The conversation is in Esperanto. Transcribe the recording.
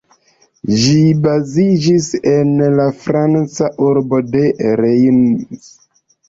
Ĝi baziĝis en la Franca urbo de Reims.